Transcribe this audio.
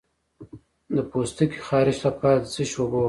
د پوستکي خارښ لپاره د څه شي اوبه وکاروم؟